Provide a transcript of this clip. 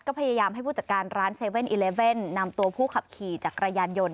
ก็พยายามให้ผู้จัดการร้าน๗๑๑นำตัวผู้ขับขี่จักรยานยนต์